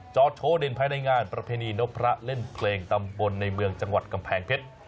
จอดโชว์เด่นภายในงานประเพณีนพพระเล่นเพลงตำบลในเมืองจังหวัดกำแพงเพชร